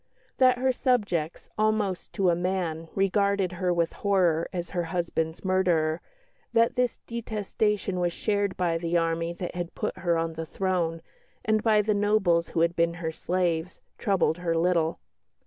That her subjects, almost to a man, regarded her with horror as her husband's murderer, that this detestation was shared by the army that had put her on the throne, and by the nobles who had been her slaves, troubled her little.